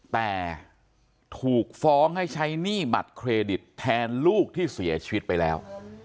แต่ถูกฟ้องให้ใช้หนี้บัตรเครดิตแทนลูกที่เสียชีวิตไปแล้ว